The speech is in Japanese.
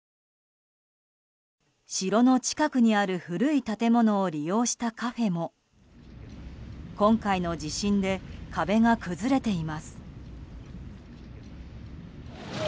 城の近くにある古い建物を利用したカフェも今回の地震で壁が崩れています。